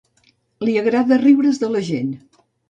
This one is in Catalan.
Li agrada riure's de la gent.